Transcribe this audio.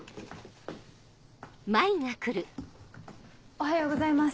おはようございます。